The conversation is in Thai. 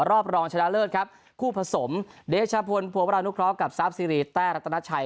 รองชนะเลิศครับคู่ผสมเดชพลภัวรานุเคราะห์กับซาฟซีรีแต้รัตนาชัย